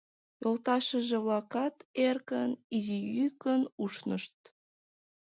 Йолташыже-влакат эркын, изи йӱкын ушнышт: